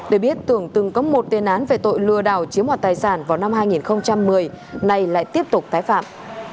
để biết tưởng từng có một tên án về tội lừa đảo chiếm hoạt tài sản vào năm hai nghìn một mươi nay lại tiếp tục tái phạm